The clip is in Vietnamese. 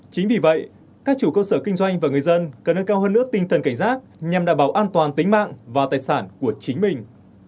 chính vì vậy các chủ cơ sở kinh doanh và người dân cần nâng cao hơn nữa tinh thần cảnh giác nhằm đảm bảo an toàn tính mạng và tài sản của chính mình